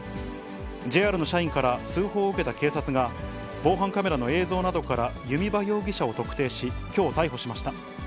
ＪＲの社員から通報を受けた警察が、防犯カメラの映像などから弓場容疑者を特定し、きょう逮捕しました。